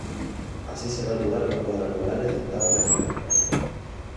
Así se da lugar a los cuadrangulares de octavos de final.